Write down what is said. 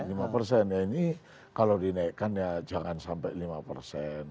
iya lima persen ya ini kalau dinaikkan ya jangan sampai lima persen